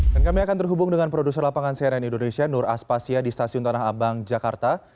kami akan terhubung dengan produser lapangan cnn indonesia nur aspasya di stasiun tanah abang jakarta